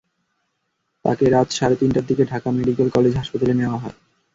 তাঁকে রাত সাড়ে তিনটার দিকে ঢাকা মেডিকেল কলেজ হাসপাতালে নেওয়া হয়।